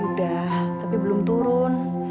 udah tapi belum turun